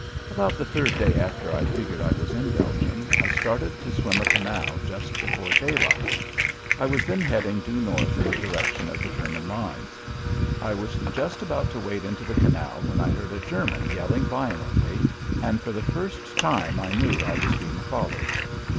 About the third day after I figured I was in Belgium I started to swim a canal just before daylight. I was then heading due north in the direction of the German lines. I was just about to wade into the canal when I heard a German yelling violently, and for the first time I knew I was being followed!